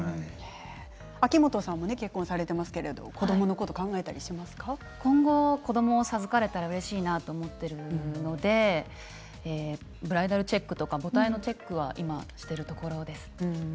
秋元さんも結婚されていますけど今後、子どもを授かれたらうれしいなと思っているのでブライダルチェックとか母体のチェックは今、しているところです。